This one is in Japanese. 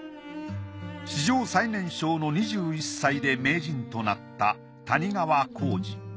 史上最年少の２１歳で名人となった谷川浩司。